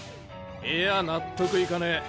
いや納得いかねえ。